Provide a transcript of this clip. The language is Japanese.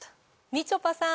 みちょぱさん